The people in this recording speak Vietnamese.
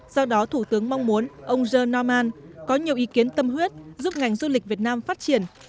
do đó thủ tướng mong muốn ông john norman có nhiều ý kiến tâm huyết giúp ngành du lịch việt nam phát triển